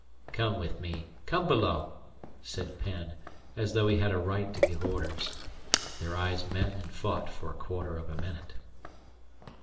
"Come with me. Come below!" said Penn, as though he had a right to give orders. Their eyes met and fought for a quarter of a minute.